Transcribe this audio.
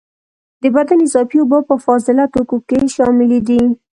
د بدن اضافي اوبه په فاضله توکو کې شاملي دي.